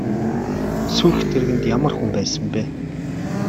Сүйх тэргэнд ямар хүн байсан бэ?